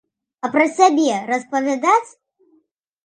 А пра сябе распавядаць?